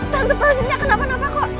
tante frozennya kenapa kenapa kok